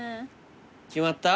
決まった？